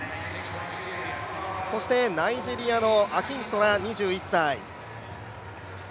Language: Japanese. ナイジェリアのアキントラ、２１歳。